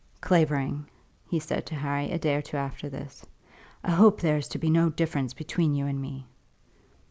"Clavering," he said to Harry, a day or two after this, "I hope there is to be no difference between you and me."